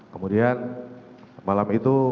kemudian malam itu